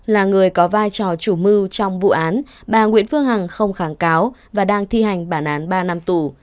là người có vai trò chủ mưu trong vụ án bà nguyễn phương hằng không kháng cáo và đang thi hành bản án ba năm tù